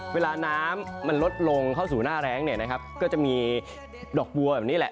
เวลาน้ำมันลดลงเข้าสู่หน้าแรงเนี่ยนะครับก็จะมีดอกบัวแบบนี้แหละ